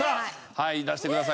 はい出してください。